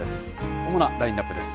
主なラインナップです。